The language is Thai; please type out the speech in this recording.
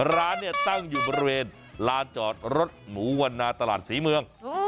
ร้านเนี่ยตั้งอยู่บริเวณลานจอดรถหนูวันนาตลาดศรีเมือง